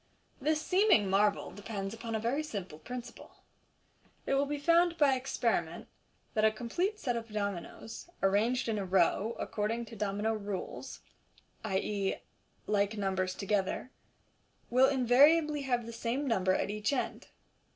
This seeming marvel depends upon a very simple principle. It will be found by experiment that a complete set of dominoes, arranged in a row according to domino rules (i.e., like numbers to gether), will invariably have the same number at each end.